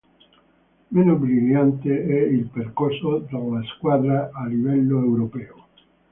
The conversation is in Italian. Meno brillante è il percorso della squadra a livello europeo.